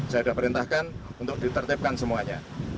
saya sudah perintahkan untuk ditertipkan semuanya